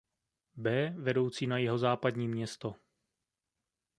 B vedoucí na Jihozápadní Město.